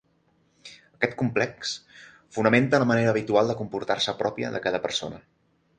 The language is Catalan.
Aquest complex fonamenta la manera habitual de comportar-se pròpia de cada persona.